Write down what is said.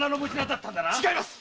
違います！